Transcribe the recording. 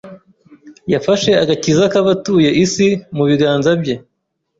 Yafashe agakiza k’abatuye isi mu biganza bye